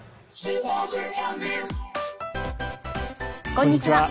こんにちは。